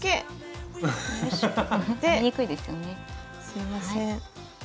すいません